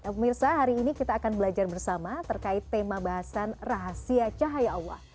pemirsa hari ini kita akan belajar bersama terkait tema bahasan rahasia cahaya allah